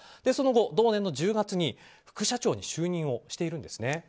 その後、同年の１０月に副社長に就任しているんですね。